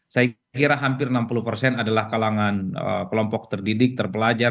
saya kira hampir enam puluh persen adalah kalangan kelompok terdidik terpelajar